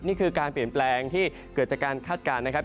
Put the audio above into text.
นี่คือการเปลี่ยนแปลงที่เกิดจากการคาดการณ์นะครับ